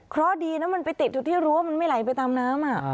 เคราะห์ดีนะมันไปติดทุกที่รู้ว่ามันไม่ไหลไปตามน้ำ